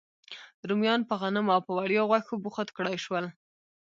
رومیان په غنمو او په وړیا غوښو بوخت کړای شول.